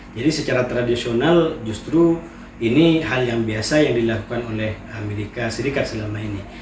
jadi secara tradisional justru ini hal yang biasa yang dilakukan oleh amerika serikat selama ini